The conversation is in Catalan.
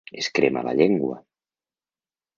Es crema la llengua.